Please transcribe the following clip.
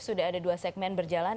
sudah ada dua segmen berjalan